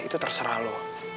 itu terserah lo